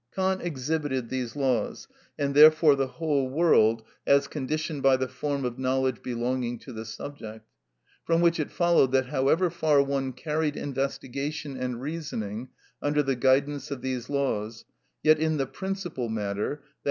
Kant exhibited these laws, and therefore the whole world, as conditioned by the form of knowledge belonging to the subject; from which it followed, that however far one carried investigation and reasoning under the guidance of these laws, yet in the principal matter, _i.